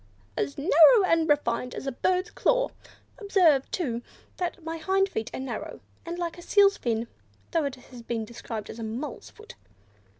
as narrow and refined as a bird's claw. Observe, too, that my hind feet are narrow, and like a seal's fin, though it has been described as a mole's foot."